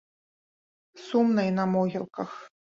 Сумна і на могілках.